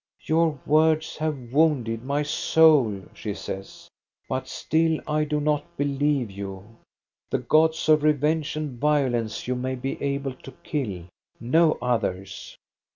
" Your words have wounded my soul," she says ;" but still I do not believe you. The gods of revenge and violence you may be able to kill, no others."